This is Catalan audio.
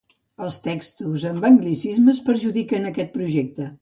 Els textos amb anglicismes perjudiquen aquest projecte.